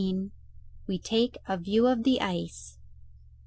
WE TAKE A VIEW OF THE ICE.